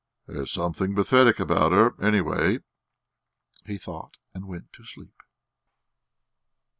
"There's something pathetic about her, anyway," he thought, and fell asleep.